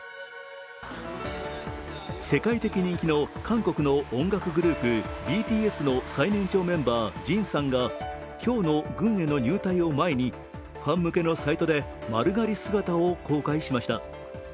世界的人気の韓国の音楽グループ、ＢＴＳの最年長メンバー、ＪＩＮさんが今日の軍への入隊を前にファン向けのサイトで丸刈り姿を公開しました。